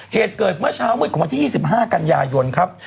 เหตุเกิดเมื่อเช้ามืดของวันที่๒๕กันยายนครับ